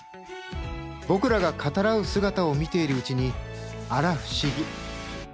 僕らが語らう姿を見ているうちにあら不思議。